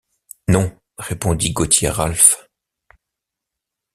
Non, répondit Gauthier Ralph.